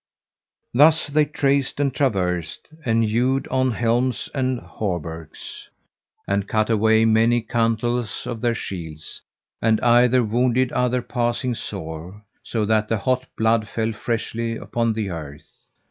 Thus they traced, and traversed, and hewed on helms and hauberks, and cut away many cantels of their shields, and either wounded other passing sore, so that the hot blood fell freshly upon the earth.